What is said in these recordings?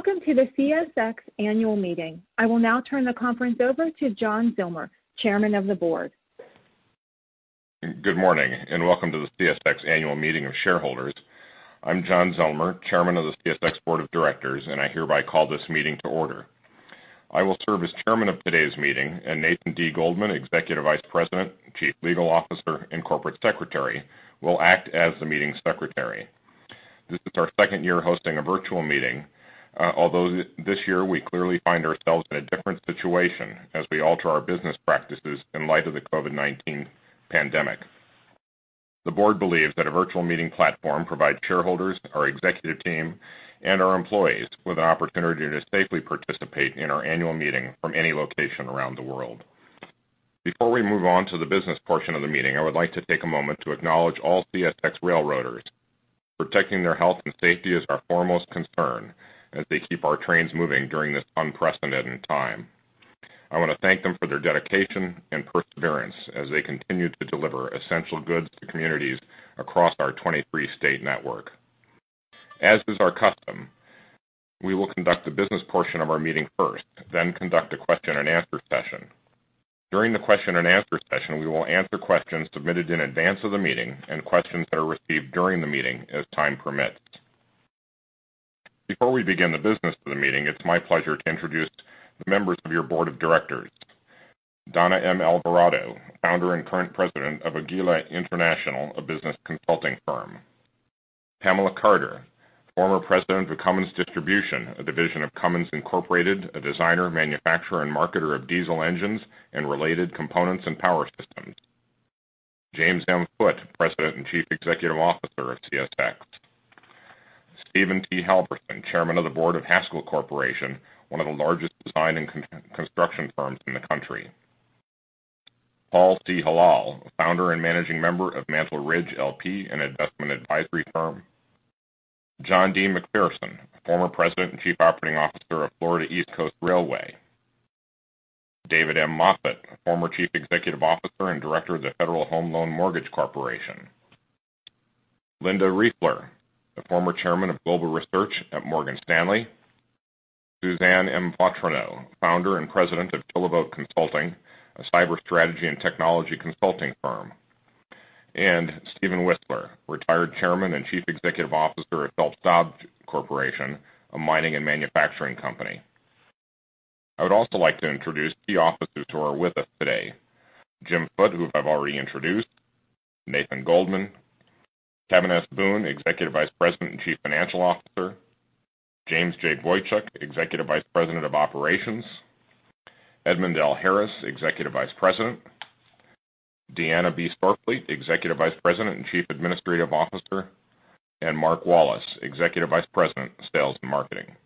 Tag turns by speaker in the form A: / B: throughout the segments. A: Welcome to the CSX annual meeting. I will now turn the conference over to John Zillmer, Chairman of the Board.
B: Good morning, and welcome to the CSX annual meeting of shareholders. I'm John Zillmer, Chairman of the CSX Board of Directors, and I hereby call this meeting to order. I will serve as chairman of today's meeting, and Nathan D. Goldman, Executive Vice President, Chief Legal Officer, and Corporate Secretary, will act as the meeting secretary. This is our second year hosting a virtual meeting, although this year we clearly find ourselves in a different situation as we alter our business practices in light of the COVID-19 pandemic. The board believes that a virtual meeting platform provides shareholders, our executive team, and our employees with an opportunity to safely participate in our annual meeting from any location around the world. Before we move on to the business portion of the meeting, I would like to take a moment to acknowledge all CSX railroaders. Protecting their health and safety is our foremost concern as they keep our trains moving during this unprecedented time. I want to thank them for their dedication and perseverance as they continue to deliver essential goods to communities across our 23-state network. As is our custom, we will conduct the business portion of our meeting first, conduct a question and answer session. During the question and answer session, we will answer questions submitted in advance of the meeting and questions that are received during the meeting as time permits. Before we begin the business of the meeting, it's my pleasure to introduce the members of your board of directors. Donna M. Alvarado, founder and current president of Aguila International, a business consulting firm. Pamela Carter, former president of Cummins Distribution, a division of Cummins Incorporated, a designer, manufacturer, and marketer of diesel engines and related components and power systems. James M. Foote, President and Chief Executive Officer of CSX. Stephen T. Halverson, Chairman of the Board of The Haskell Company, one of the largest design and construction firms in the country. Paul C. Hilal, founder and managing member of Mantle Ridge LP, an investment advisory firm. John D. McPherson, former president and chief operating officer of Florida East Coast Railway. David M. Moffett, former chief executive officer and director of the Federal Home Loan Mortgage Corporation. Linda Riefler, the former chairman of Global Research at Morgan Stanley. Suzanne M. Vautrinot, founder and president of Kilovolt Consulting, a cyber strategy and technology consulting firm. Steven Whisler, retired chairman and chief executive officer of Phelps Dodge Corporation, a mining and manufacturing company. I would also like to introduce key officers who are with us today. Jim Foote, who I've already introduced. Nathan Goldman, Kevin S. Boone, Executive Vice President and Chief Financial Officer. Jamie J. Boychuk, Executive Vice President of Operations. Edmond L. Harris, Executive Vice President. Diana B. Sorfleet, Executive Vice President and Chief Administrative Officer, and Mark Wallace, Executive Vice President of Sales and Marketing.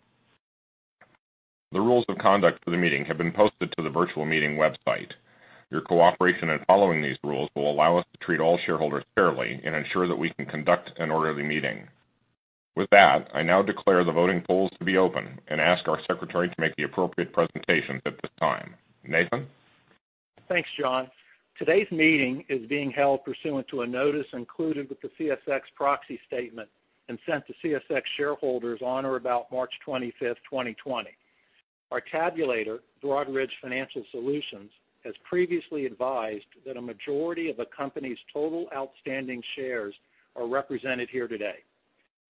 B: The rules of conduct for the meeting have been posted to the virtual meeting website. Your cooperation in following these rules will allow us to treat all shareholders fairly and ensure that we can conduct an orderly meeting. With that, I now declare the voting polls to be open and ask our secretary to make the appropriate presentations at this time. Nathan?
A: Thanks, John. Today's meeting is being held pursuant to a notice included with the CSX proxy statement and sent to CSX shareholders on or about March 25th, 2020. Our tabulator, Broadridge Financial Solutions, has previously advised that a majority of the company's total outstanding shares are represented here today.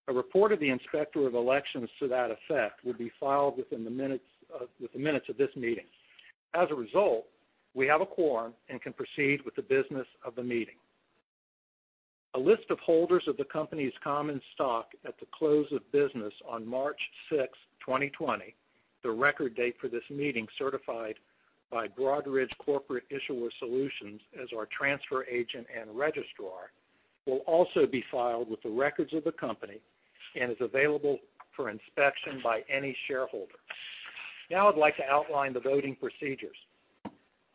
A: A report of the Inspector of Elections to that effect will be filed with the minutes of this meeting. As a result, we have a quorum and can proceed with the business of the meeting. A list of holders of the company's common stock at the close of business on March sixth, 2020, the record date for this meeting certified by Broadridge Corporate Issuer Solutions as our transfer agent and registrar, will also be filed with the records of the company and is available for inspection by any shareholder. Now I'd like to outline the voting procedures.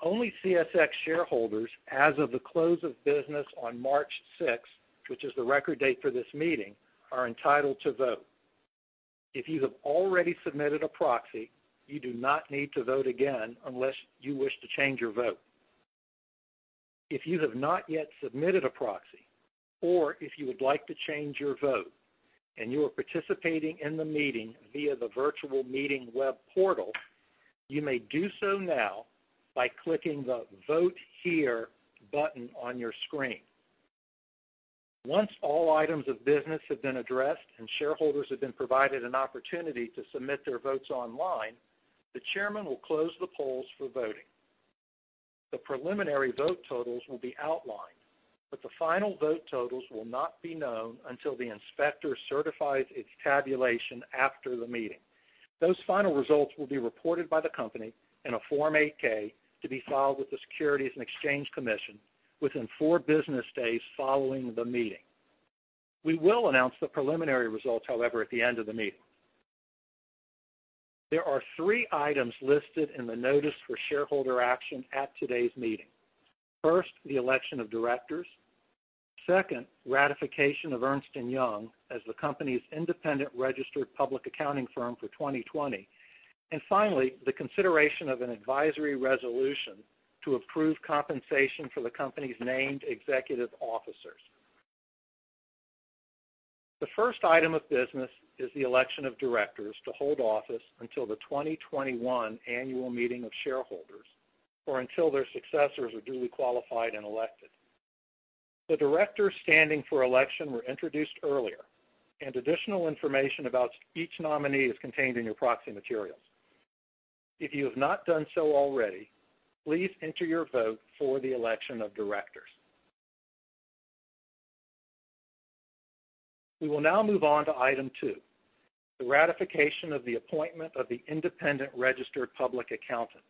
A: Only CSX shareholders as of the close of business on March sixth, which is the record date for this meeting, are entitled to vote. If you have already submitted a proxy, you do not need to vote again unless you wish to change your vote. If you have not yet submitted a proxy, or if you would like to change your vote and you are participating in the meeting via the virtual meeting web portal, you may do so now by clicking the Vote Here button on your screen. Once all items of business have been addressed and shareholders have been provided an opportunity to submit their votes online, the chairman will close the polls for voting. The preliminary vote totals will be outlined, but the final vote totals will not be known until the inspector certifies its tabulation after the meeting. Those final results will be reported by the company in a Form 8-K to be filed with the Securities and Exchange Commission within four business days following the meeting. We will announce the preliminary results, however, at the end of the meeting. There are three items listed in the notice for shareholder action at today's meeting. First, the election of directors. Second, ratification of Ernst & Young as the company's independent registered public accounting firm for 2020. Finally, the consideration of an advisory resolution to approve compensation for the company's named executive officers. The first item of business is the election of directors to hold office until the 2021 annual meeting of shareholders, or until their successors are duly qualified and elected. The directors standing for election were introduced earlier, and additional information about each nominee is contained in your proxy materials. If you have not done so already, please enter your vote for the election of directors. We will now move on to item two, the ratification of the appointment of the independent registered public accountants.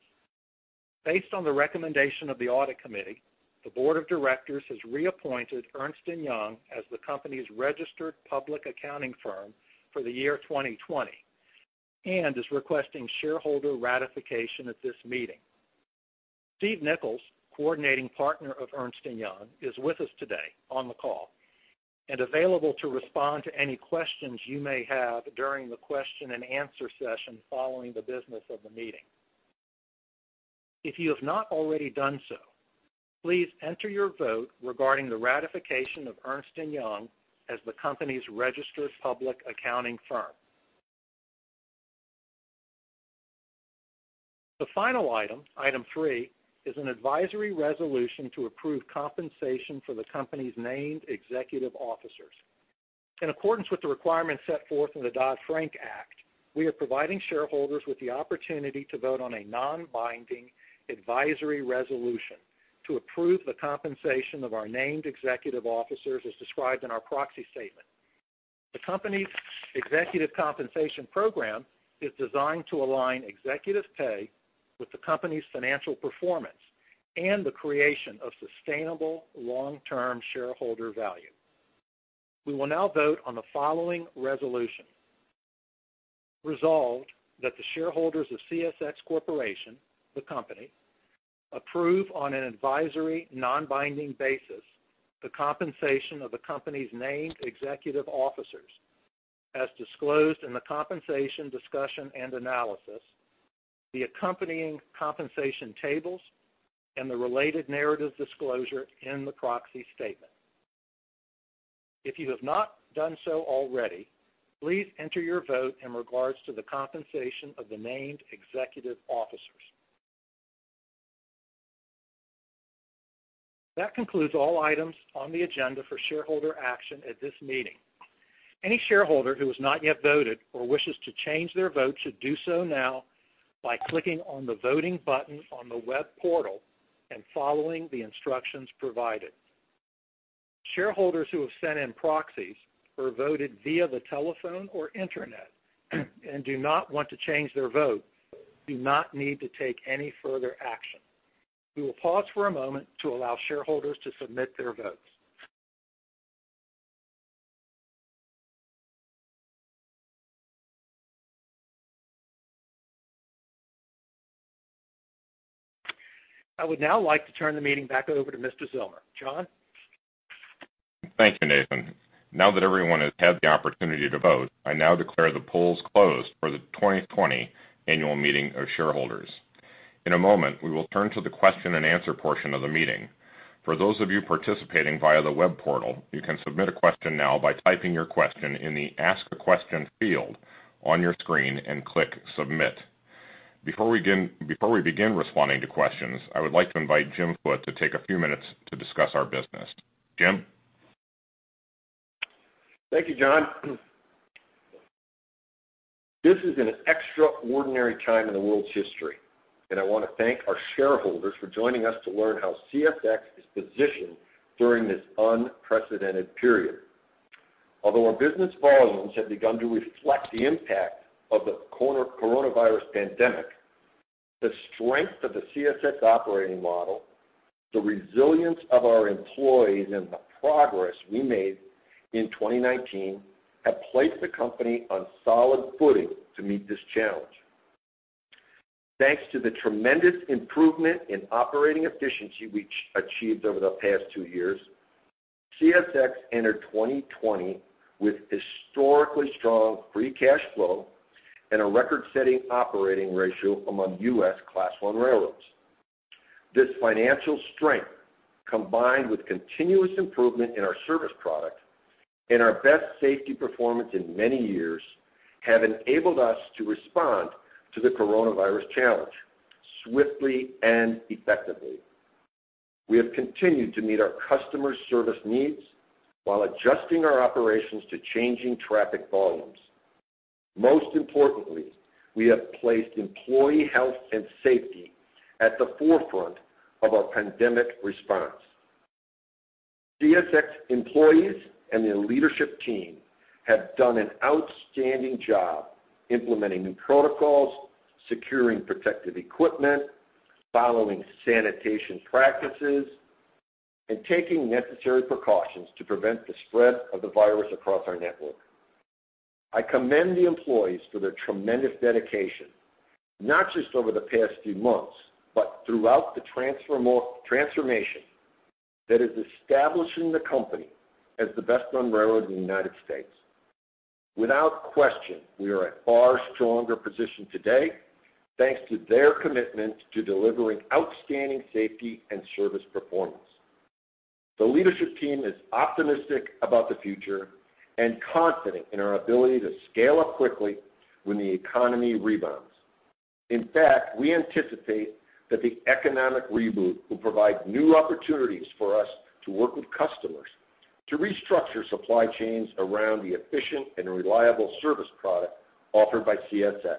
A: Based on the recommendation of the audit committee, the board of directors has reappointed Ernst & Young as the company's registered public accounting firm for the year 2020, and is requesting shareholder ratification at this meeting. Steve Nickels, coordinating partner of Ernst & Young, is with us today on the call and available to respond to any questions you may have during the question and answer session following the business of the meeting. If you have not already done so, please enter your vote regarding the ratification of Ernst & Young as the company's registered public accounting firm. The final item three, is an advisory resolution to approve compensation for the company's named executive officers. In accordance with the requirements set forth in the Dodd-Frank Act, we are providing shareholders with the opportunity to vote on a non-binding advisory resolution to approve the compensation of our named executive officers as described in our proxy statement. The company's executive compensation program is designed to align executive pay with the company's financial performance and the creation of sustainable long-term shareholder value. We will now vote on the following resolution. Resolved that the shareholders of CSX Corporation, the company, approve on an advisory, non-binding basis the compensation of the company's named executive officers as disclosed in the compensation discussion and analysis, the accompanying compensation tables, and the related narrative disclosure in the proxy statement. If you have not done so already, please enter your vote in regards to the compensation of the named executive officers. That concludes all items on the agenda for shareholder action at this meeting. Any shareholder who has not yet voted or wishes to change their vote should do so now by clicking on the voting button on the web portal and following the instructions provided. Shareholders who have sent in proxies or voted via the telephone or internet and do not want to change their vote do not need to take any further action. We will pause for a moment to allow shareholders to submit their votes. I would now like to turn the meeting back over to Mr. Zillmer. John?
B: Thank you, Nathan. Now that everyone has had the opportunity to vote, I now declare the polls closed for the 2020 annual meeting of shareholders. In a moment, we will turn to the question and answer portion of the meeting. For those of you participating via the web portal, you can submit a question now by typing your question in the Ask a Question field on your screen and click Submit. Before we begin responding to questions, I would like to invite Jim Foote to take a few minutes to discuss our business. Jim?
C: Thank you, John. This is an extraordinary time in the world's history, and I want to thank our shareholders for joining us to learn how CSX is positioned during this unprecedented period. Although our business volumes have begun to reflect the impact of the coronavirus pandemic, the strength of the CSX operating model, the resilience of our employees, and the progress we made in 2019 have placed the company on solid footing to meet this challenge. Thanks to the tremendous improvement in operating efficiency we achieved over the past two years, CSX entered 2020 with historically strong free cash flow and a record-setting operating ratio among U.S. Class I railroads. This financial strength, combined with continuous improvement in our service product and our best safety performance in many years, have enabled us to respond to the coronavirus challenge swiftly and effectively. We have continued to meet our customers' service needs while adjusting our operations to changing traffic volumes. Most importantly, we have placed employee health and safety at the forefront of our pandemic response. CSX employees and the leadership team have done an outstanding job implementing new protocols, securing protective equipment, following sanitation practices, and taking necessary precautions to prevent the spread of the virus across our network. I commend the employees for their tremendous dedication, not just over the past few months, but throughout the transformation that is establishing the company as the best-run railroad in the United States. Without question, we are at a far stronger position today thanks to their commitment to delivering outstanding safety and service performance. The leadership team is optimistic about the future and confident in our ability to scale up quickly when the economy rebounds. In fact, we anticipate that the economic reboot will provide new opportunities for us to work with customers to restructure supply chains around the efficient and reliable service product offered by CSX.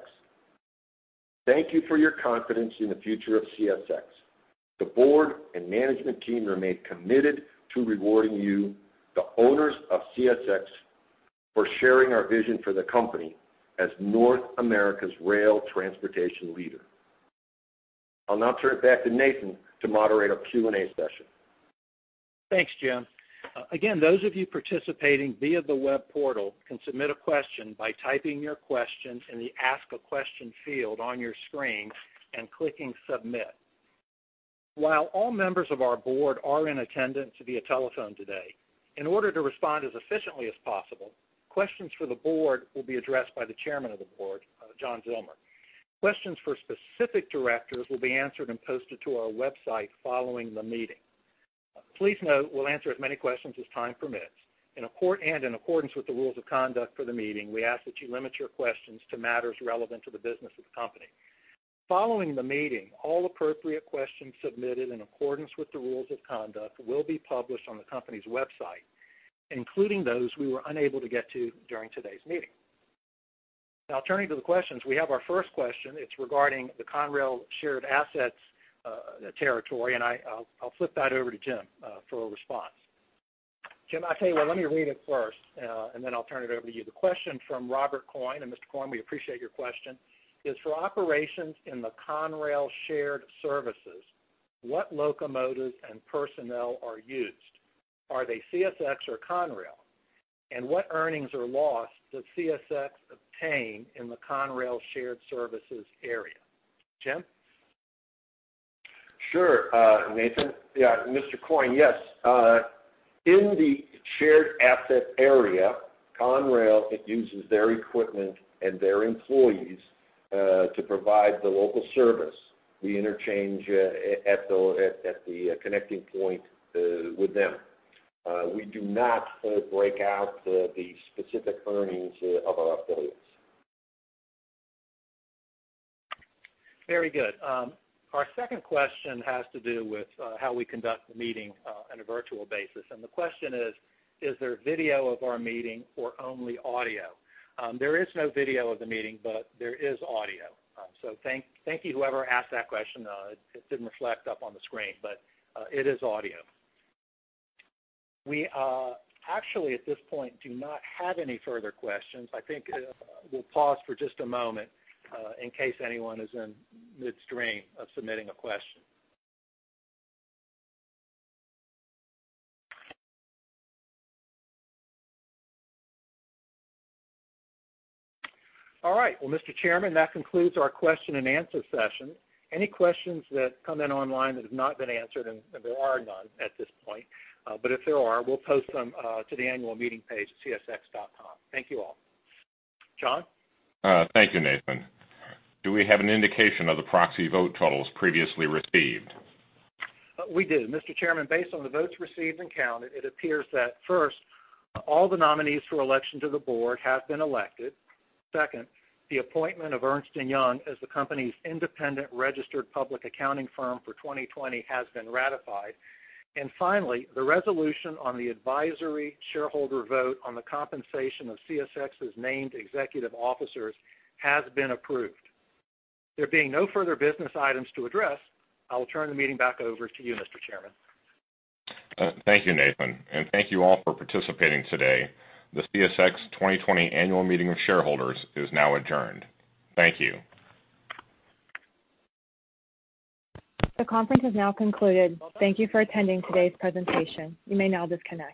C: Thank you for your confidence in the future of CSX. The board and management team remain committed to rewarding you, the owners of CSX, for sharing our vision for the company as North America's rail transportation leader. I'll now turn it back to Nathan to moderate our Q&A session.
A: Thanks, Jim. Again, those of you participating via the web portal can submit a question by typing your question in the Ask a Question field on your screen and clicking Submit. While all members of our board are in attendance via telephone today, in order to respond as efficiently as possible, questions for the board will be addressed by the Chairman of the Board, John Zillmer. Questions for specific directors will be answered and posted to our website following the meeting. Please note, we'll answer as many questions as time permits. In accordance with the rules of conduct for the meeting, we ask that you limit your questions to matters relevant to the business of the company. Following the meeting, all appropriate questions submitted in accordance with the rules of conduct will be published on the company's website, including those we were unable to get to during today's meeting. Now turning to the questions, we have our first question. It's regarding the Conrail shared assets territory, and I'll flip that over to Jim for a response. Jim, I tell you what, let me read it first, and then I'll turn it over to you. The question from Robert Coyne, and Mr. Coyne, we appreciate your question, is, "For operations in the Conrail shared services, what locomotives and personnel are used? Are they CSX or Conrail? And what earnings or loss does CSX obtain in the Conrail shared services area?" Jim?
C: Sure, Nathan. Yeah. Mr. Coyne, yes. In the shared asset area, Conrail uses their equipment and their employees to provide the local service. We interchange at the connecting point with them. We do not break out the specific earnings of our affiliates.
A: Very good. Our second question has to do with how we conduct the meeting on a virtual basis. The question is there video of our meeting or only audio? There is no video of the meeting, but there is audio. Thank you, whoever asked that question. It didn't reflect up on the screen, but it is audio. We actually, at this point, do not have any further questions. I think we'll pause for just a moment in case anyone is in midstream of submitting a question. All right. Well, Mr. Chairman, that concludes our question and answer session. Any questions that come in online that have not been answered, and there are none at this point, but if there are, we'll post them to the annual meeting page at csx.com. Thank you all. John?
B: Thank you, Nathan. Do we have an indication of the proxy vote totals previously received?
A: We do. Mr. Chairman, based on the votes received and counted, it appears that first, all the nominees for election to the board have been elected. Second, the appointment of Ernst & Young as the company's independent registered public accounting firm for 2020 has been ratified. Finally, the resolution on the advisory shareholder vote on the compensation of CSX's named executive officers has been approved. There being no further business items to address, I will turn the meeting back over to you, Mr. Chairman.
B: Thank you, Nathan, and thank you all for participating today. The CSX 2020 Annual Meeting of Shareholders is now adjourned. Thank you. The conference has now concluded. Thank you for attending today's presentation. You may now disconnect.